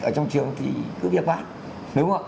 ở trong trường thì cứ việc bán